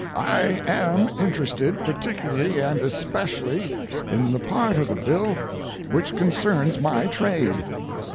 I am interested particularly and especially in the part of the bill which concerns my trade.